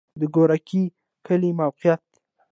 د ګورکي کلی موقعیت